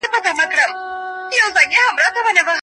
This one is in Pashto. شخصیت د ژړا اندازه بدلوي.